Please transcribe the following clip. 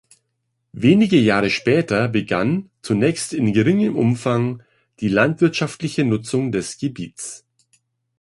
Wenige Jahre später begann, zunächst in geringem Umfang, die landwirtschaftliche Nutzung des Gebiets.